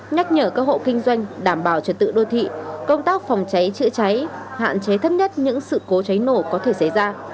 nhắc nhở các hộ kinh doanh đảm bảo trật tự đô thị công tác phòng cháy chữa cháy hạn chế thấp nhất những sự cố cháy nổ có thể xảy ra